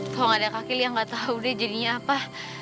kalo gak ada kakek lia gak tau deh jadinya apa